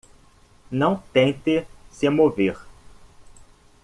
Não tente se mover.